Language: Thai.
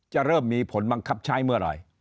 เริ่มมีผลบังคับใช้เมื่อไหร่